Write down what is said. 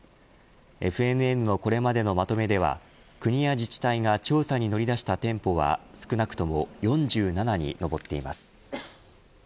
ＦＮＮのこれまでのまとめでは国や自治体が調査に乗り出した店舗は少なくとも４７に上っています。